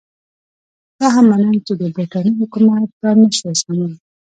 دا هم منم چې د برټانیې حکومت دا نه شوای زغملای.